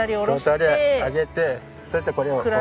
上げてそしてこれをこう。